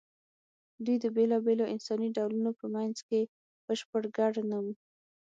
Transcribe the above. دوی د بېلابېلو انساني ډولونو په منځ کې بشپړ ګډ نه وو.